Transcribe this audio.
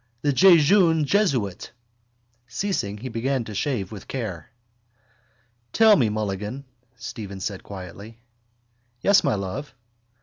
The jejune jesuit! Ceasing, he began to shave with care. —Tell me, Mulligan, Stephen said quietly. —Yes, my love?